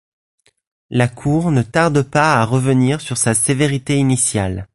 La Cour ne tarde pas à revenir sur sa sévérité initiale.